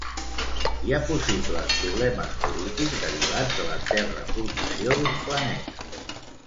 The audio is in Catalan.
Hi ha possibles problemes polítics derivats de la terraformació d'un planeta.